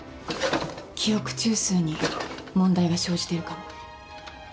記憶中枢に問題が生じてるかも。